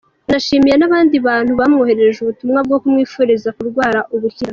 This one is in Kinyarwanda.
Yanashimiye n'abandi bantu bamwoherereje ubutumwa bwo kumwifuriza kurwara ubukira.